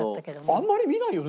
あんまり見ないよね